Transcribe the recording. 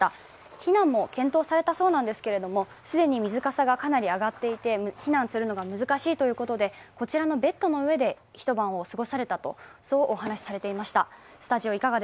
避難も検討されたそうなんですけれども、既に水かさがかなり上がっていて、避難するのが難しいということでこちらのベッドの上で一晩を過ごされたとお話しされていました。